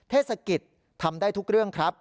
เทศกิจทำได้ทุกเรื่องครับ